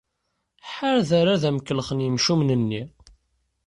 Ḥader ad m-kellxen yimcumen-nni!